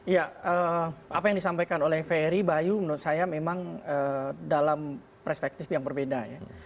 ya apa yang disampaikan oleh ferry bayu menurut saya memang dalam perspektif yang berbeda ya